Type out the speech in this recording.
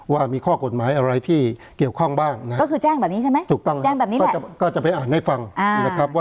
ว่ามีข้อกฎหมายอะไรที่เกี่ยวข้องบ้างนะครับ